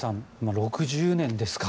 ６０年ですか。